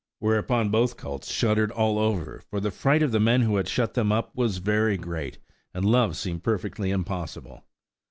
Whereupon both colts shuddered all over, for the fright of the men who had shut them up was very great, and love seemed perfectly impossible.